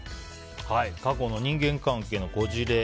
過去の人間関係のこじれ